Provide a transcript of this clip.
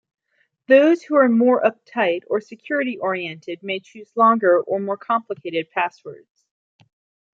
Those who are more uptight or security-oriented may choose longer or more complicated passwords.